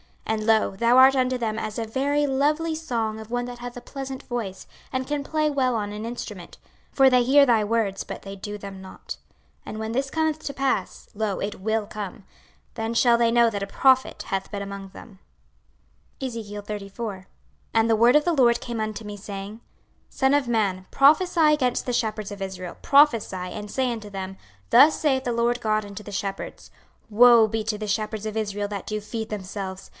26:033:032 And, lo, thou art unto them as a very lovely song of one that hath a pleasant voice, and can play well on an instrument: for they hear thy words, but they do them not. 26:033:033 And when this cometh to pass, (lo, it will come,) then shall they know that a prophet hath been among them. 26:034:001 And the word of the LORD came unto me, saying, 26:034:002 Son of man, prophesy against the shepherds of Israel, prophesy, and say unto them, Thus saith the Lord GOD unto the shepherds; Woe be to the shepherds of Israel that do feed themselves!